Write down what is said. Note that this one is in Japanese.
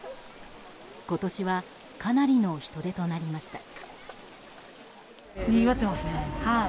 今年はかなりの人出となりました。